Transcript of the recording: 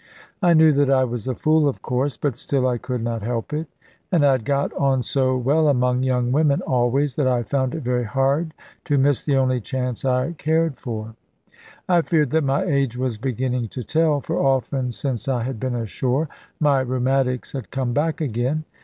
I knew that I was a fool, of course; but still I could not help it; and I had got on so well among young women always, that I found it very hard to miss the only chance I cared for. I feared that my age was beginning to tell; for often, since I had been ashore, my rheumatics had come back again.